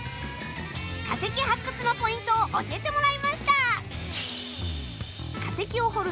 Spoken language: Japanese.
化石発掘のポイントを教えてもらいました！